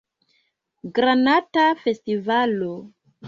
Granata Festivalo